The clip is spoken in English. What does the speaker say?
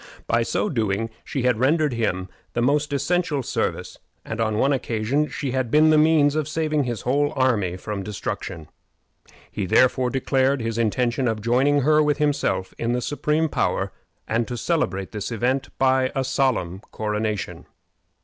By so doing she had rendered him the most essential service, and on one occasion she had been the means of saving his whole army from destruction. He therefore declared his intention of joining her with himself in the supreme power, and to celebrate this event by a solemn coronation.